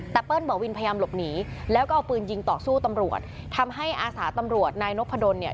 แต่เปิ้ลบ่อวินพยายามหลบหนีแล้วก็เอาปืนยิงต่อสู้ตำรวจทำให้อาสาตำรวจนายนพดลเนี่ย